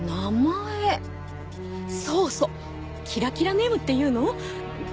そうそうキラキラネームっていうの？